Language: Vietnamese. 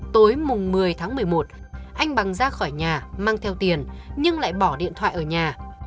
tối mùng một mươi tháng một mươi một anh bằng ra khỏi nhà mang theo tiền nhưng lại bỏ điện thoại ở nhà